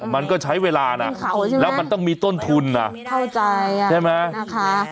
มันก็ใช้เวลานะแล้วมันต้องมีต้นทุนอ่ะไม่เข้าใจอ่ะใช่ไหมนะคะ